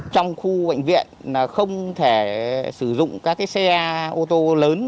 trong khu bệnh viện không thể sử dụng các xe ô tô lớn